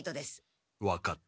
分かった。